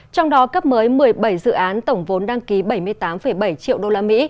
trong đó cấp mới một mươi bảy dự án tổng vốn đăng ký bảy mươi tám bảy triệu usd